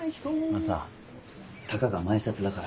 あのさたかが前説だから。